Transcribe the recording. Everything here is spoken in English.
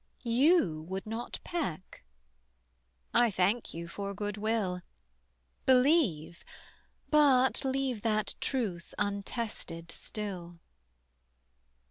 You would not peck? I thank you for good will, Believe, but leave that truth untested still.